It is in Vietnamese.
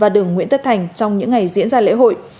đường nguyễn tất thành trong những ngày diễn ra lễ hội